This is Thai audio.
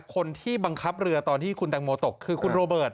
คนที่บังคับเรือตอนที่คุณแตงโมตกคือคุณโรเบิร์ต